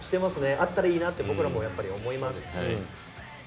あったらいいなって、僕らも思いますし。